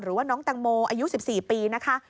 หรือว่าน้องแตงโมอายุ๑๔ปีนะคะ